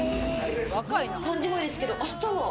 ３時前ですけど明日は？